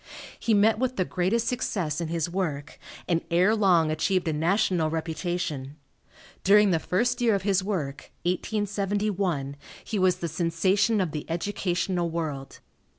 He met with the greatest success in his work, and ere long achieved a national reputation. During the first year of his work, 1871, he was the sensation of the educational world.